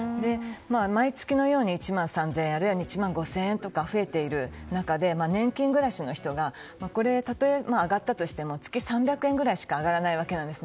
毎月のように１万３０００円あるいは１万５０００円とか増えている中で年金暮らしの人がたとえ上がったとしても月３００円ぐらいしか上がらないわけです。